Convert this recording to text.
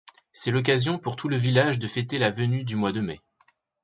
C'est l'occasion pour tout le village de fêter la venue du mois de mai.